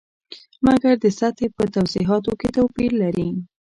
مګر د سطحې په توضیحاتو کې توپیر لري.